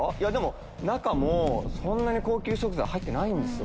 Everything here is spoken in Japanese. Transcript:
中もそんなに高級食材入ってないんですよ